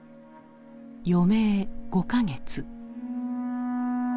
余命５か月。